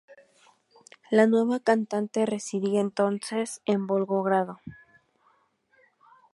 La nueva cantante residía entonces en Volgogrado.